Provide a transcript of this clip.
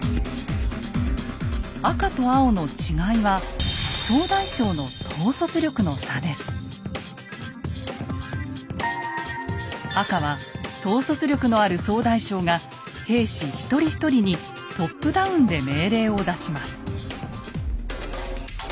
赤と青の違いは総大将の赤は統率力のある総大将が兵士一人一人にトップダウンで命令を出します。